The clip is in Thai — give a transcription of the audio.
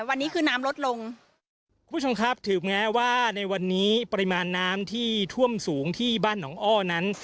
วันนี้คือน้ำลดลงคุณผู้ชมครับถึงแม้ว่าในวันนี้ปริมาณน้ำที่ท่วมสูงที่บ้านหนองอ้อนั้น